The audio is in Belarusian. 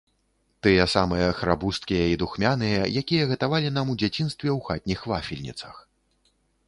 Тыя самыя храбусткія і духмяныя, якія гатавалі нам у дзяцінстве ў хатніх вафельніцах.